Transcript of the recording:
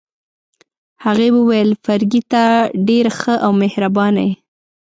هغې وویل: فرګي، ته ډېره ښه او مهربانه يې.